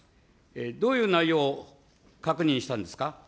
どういう内容を確認したんですか。